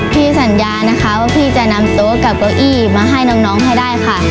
สัญญานะคะว่าพี่จะนำโต๊ะกับเก้าอี้มาให้น้องให้ได้ค่ะ